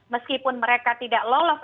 meskipun mereka tidak lolos